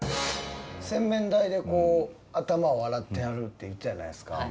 洗面台で頭を洗ってはるって言ってたじゃないですか。